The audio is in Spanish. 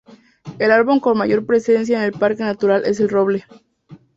El árbol con mayor presencia en el parque natural es el roble.